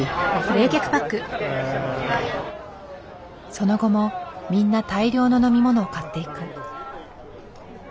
その後もみんな大量の飲み物を買っていく。